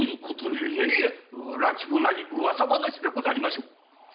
いえいえ埒もない噂話でござりましょう。